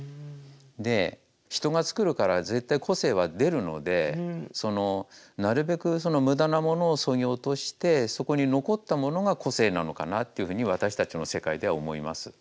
で人が作るから絶対個性は出るのでなるべく無駄なものをそぎ落としてそこに残ったものが個性なのかなっていうふうに私たちの世界では思います。